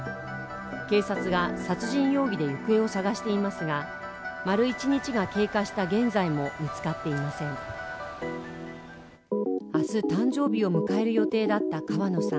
警察が殺人容疑で行方を捜していますが丸一日が経過した現在も、見つかっていません。